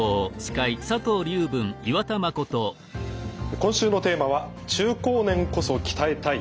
今週のテーマは「中高年こそ鍛えたい！